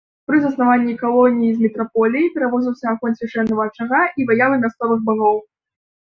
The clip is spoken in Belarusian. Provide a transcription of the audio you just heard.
Пры заснаванні калоніі з метраполіі перавозіўся агонь свяшчэннага ачага і выявы мясцовых багоў.